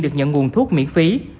được nhận nguồn thuốc miễn phí